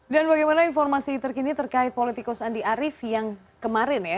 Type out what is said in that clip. dan bagaimana informasi terkini terkait politikus andi arief yang kemarin ya